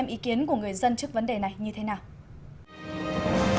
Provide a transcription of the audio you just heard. năm ý kiến của người dân trước vấn đề này như thế nào